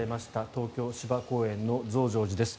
東京・芝公園の増上寺です。